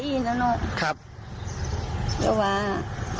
คุณหายกระดูกเข้าไปนะโน๊ก